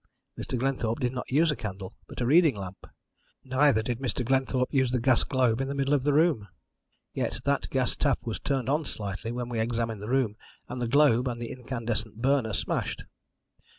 Mr. Glenthorpe did not use a candle, but a reading lamp. Neither did Mr. Glenthorpe use the gas globe in the middle of the room. Yet that gas tap was turned on slightly when we examined the room, and the globe and the incandescent burner smashed.